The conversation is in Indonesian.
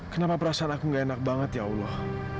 kenapa perasaan aku gak enak banget ya allah